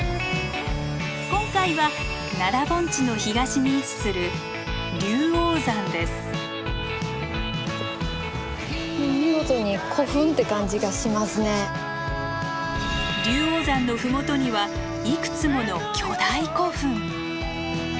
今回は奈良盆地の東に位置する龍王山の麓にはいくつもの巨大古墳。